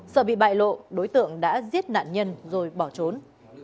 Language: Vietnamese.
sợ bị bại lộ đối tượng đã giết nạn nhân rồi bỏ trốn